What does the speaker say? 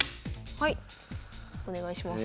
はいお願いします。